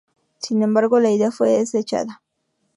Sin embargo, la idea fue desechada.